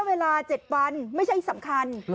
แบบนี้เลย